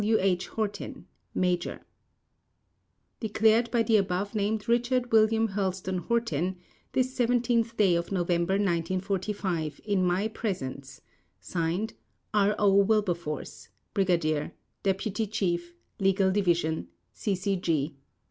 W. H. HORTIN Major Declared by the above named Richard William Hurlstone Hortin This 17th day of November 1945 In my presence: /s/ R. O. WILBERFORCE Brigadier, Deputy Chief, Legal Division, C. C. G.